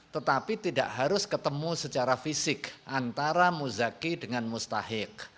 tetapi tidak harus ketemu secara fisik antara muzaki dengan mustahik